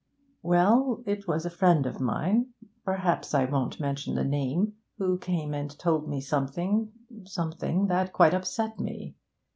'Well it was a friend of mine perhaps I won't mention the name who came and told me something something that quite upset me.